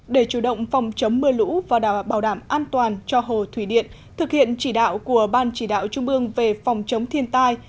để chủ động phòng chống mưa lũ và bảo đảm an toàn cho hồ thủy điện thực hiện chỉ đạo của ban chỉ đạo trung ương về phòng chống thiên tai